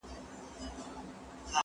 کار د زده کوونکي له خوا کيږي؟